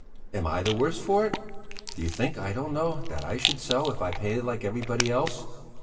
Am I the worse for it? Do you think I don't know that I should sell if I painted like everybody else?